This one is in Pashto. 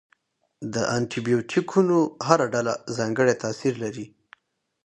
د انټي بیوټیکونو هره ډله ځانګړی تاثیر لري.